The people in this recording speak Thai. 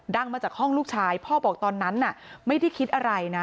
มาจากห้องลูกชายพ่อบอกตอนนั้นไม่ได้คิดอะไรนะ